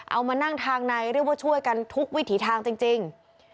เอามานั่งทางในเรียกว่าช่วยกันทุกวิถีทางจริง